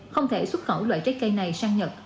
không thể xuất khẩu loại trái cây này sang nhật